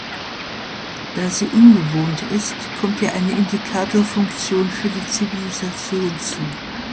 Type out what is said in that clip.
Da sie unbewohnt ist, kommt ihr eine Indikatorfunktion für die Zivilisation zu.